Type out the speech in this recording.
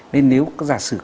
nên nếu giả sử